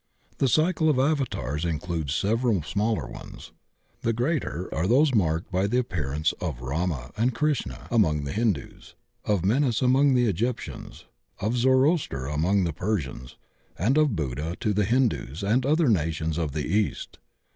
The Cycle of Avatars includes several smaller ones. The greater are those marked by the appearance of Rama and Krishna among the Hindus, of Menes among the Egyptians, of Zoroaster among the Per sians, and of Buddha to the Hindus and other nations of the East.